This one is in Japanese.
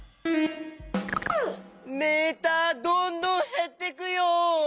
メーターどんどんへってくよ。